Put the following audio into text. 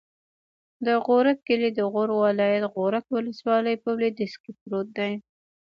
د غورک کلی د غور ولایت، غورک ولسوالي په لویدیځ کې پروت دی.